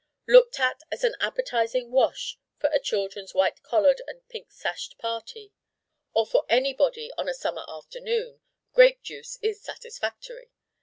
Looked at as an appetizing wash for a children's white collared and pink sashed party, or for anybody on a summer afternoon, grape juice is satisfactory.